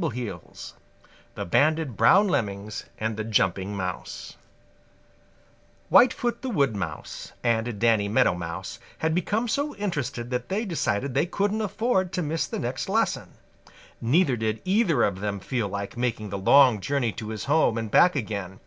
CHAPTER XVI Danny's Northern Cousins and Nimbleheels Whitefoot the Wood Mouse and Danny Meadow Mouse had become so interested that they decided they couldn't afford to miss the next lesson. Neither did either of them feel like making the long journey to his home and back again.